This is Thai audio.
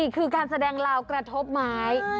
คือการแสดงลาวกระทบไม้